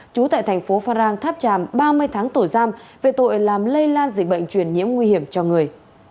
trú tại tp phan rang tháp tràm ba mươi tháng tổ giam về tội làm lây lan dịch bệnh chuyển nhiễm nguy hiểm cho người